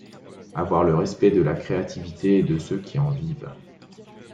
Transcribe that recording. Avoir le respect de la créativité et de ceux qui en vivent.